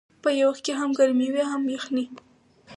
په یو وخت کې هم ګرمي وي هم یخني.